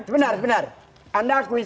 ya nanti saya cari yang sedikit